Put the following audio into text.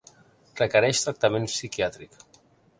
Requereix tractament psiquiàtric.